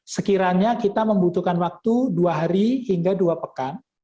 sekiranya kita membutuhkan waktu dua hari hingga dua pekan